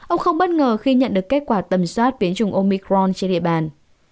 ông không bất ngờ khi nhận được kết quả tầm soát biến chủng omicron trên địa bàn